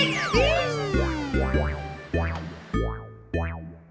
asik asik asik